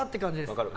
分かる。